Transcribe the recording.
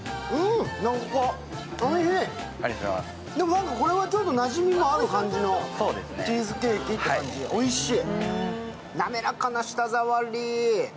でもなんかこれはなじみもある感じのチーズケーキって感じ、おいしい。